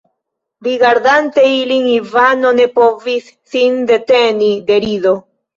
Rigardante ilin, Ivano ne povis sin deteni de rido.